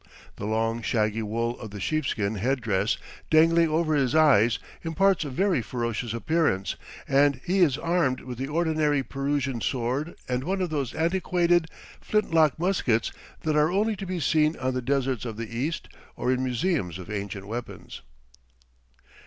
The long, shaggy wool of the sheepskin head dress dangling over his eyes imparts a very ferocious appearance, and he is armed with the ordinary Persian sword and one of those antiquated flint lock muskets that are only to be seen on the deserts of the East or in museums of ancient weapons.